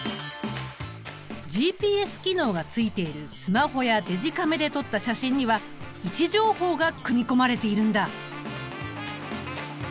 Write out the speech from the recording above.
ＧＰＳ機能がついているスマホやデジカメで撮った写真には位置情報が組み込まれているんだ。